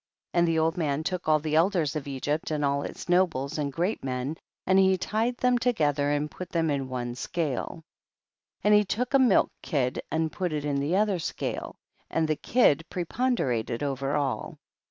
13. And the old man took all the elders of Egypt and all its nobles and great men, and he lied them to gether and put them in one scale. 14. And he took a milk kid and put it into the other scale, and the kid preponderated over all.